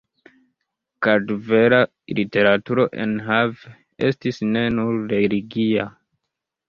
Kartvela literaturo enhave estis ne nur religia.